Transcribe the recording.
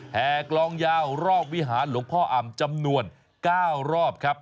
แห่กลองยาวรอบวิหารหลวงพ่ออำจำนวน๙รอบครับ